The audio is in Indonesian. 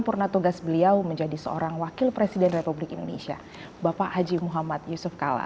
purna tugas beliau menjadi seorang wakil presiden republik indonesia bapak haji muhammad yusuf kala